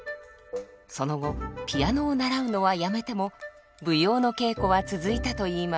その後ピアノを習うのはやめても舞踊の稽古は続いたといいます。